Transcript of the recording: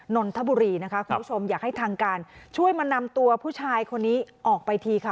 นนทบุรีนะคะคุณผู้ชมอยากให้ทางการช่วยมานำตัวผู้ชายคนนี้ออกไปทีค่ะ